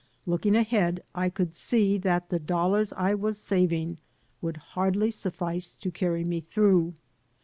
Looking ahead, I could see that the dollars I was saving would hardly suffice to carry me through.